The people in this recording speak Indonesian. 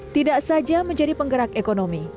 tidak saja menjadi penggerak ekonomi